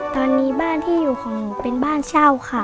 ตอนนี้บ้านที่อยู่ของหนูเป็นบ้านเช่าค่ะ